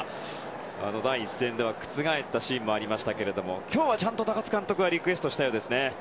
第１戦では覆ったシーンもありましたが今日は、ちゃんと高津監督がリクエストしたようですね。